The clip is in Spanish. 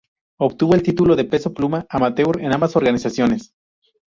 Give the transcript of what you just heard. Obtuvo el título de peso pluma amateur en ambas organizaciones.